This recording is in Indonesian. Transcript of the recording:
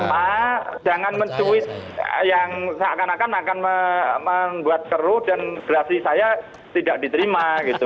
maka jangan mencuit yang seakan akan akan membuat keruh dan gerasi saya tidak diterima gitu